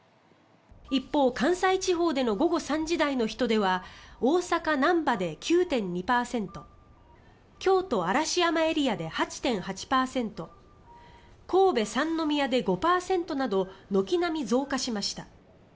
一方、関西地方での午後３時台の人出は大阪・なんばで９．２％京都・嵐山エリアで８．８％神戸・三宮で５％など軒並み増加しました。